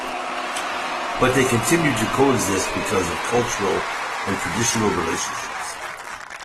But they continue to co-exist because of cultural and traditional relationships.